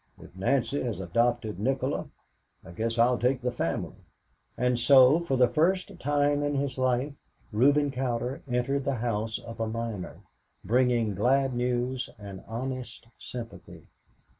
If Nancy has adopted Nikola, I guess I'll take the family." And so, for the first time in his life, Reuben Cowder entered the house of a miner, bringing glad news and honest sympathy.